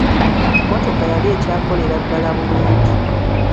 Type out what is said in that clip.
Mmotoka yali ekyakolera ddala bulungi.